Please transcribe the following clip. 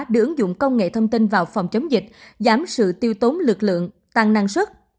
đưa ứng dụng công nghệ thông tin vào phòng chống dịch giảm sự tiêu tốn lực lượng tăng năng suất